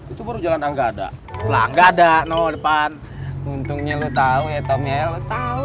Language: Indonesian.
itu baru jalan nggak ada setelah nggak ada depan untungnya lu tahu ya tom ya lu tahu